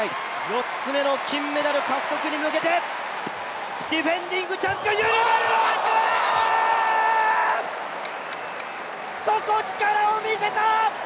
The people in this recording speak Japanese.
４つ目の金メダル獲得に向けてディフェンディングチャンピオンユリマル・ロハス、底力を見せた！